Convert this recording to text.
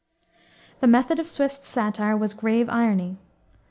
The method of Swift's satire was grave irony.